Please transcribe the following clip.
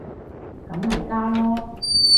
咁咪加囉